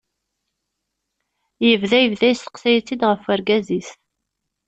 Yebda yebda yesteqsay-itt-id ɣef urgaz-is.